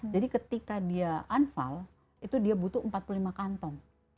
jadi ketika dia anfal itu dia butuh empat puluh lima kantong